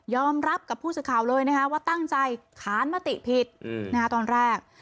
ยอมรับกับผู้สืบข่าวเลยนะฮะว่าตั้งใจขานมติผิดอืมนะฮะตอนแรก